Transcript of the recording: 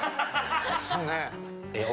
そうね。